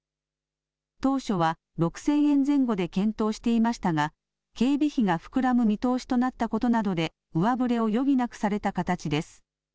当初は６０００円前後で検討していましたが警備費が膨らむ見通しとなったことなどで上振れを余儀なくされた形です。